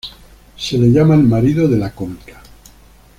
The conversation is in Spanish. Se le llama el marido de la cómica.